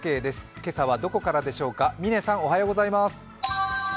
今朝はどこからでしょうか？